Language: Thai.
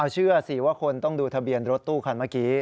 เชื่อสิว่าคนต้องดูทะเบียนรถตู้คันเมื่อกี้